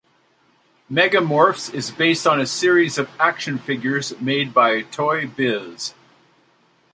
"Mega Morphs" is based on a series of action figures made by Toy Biz.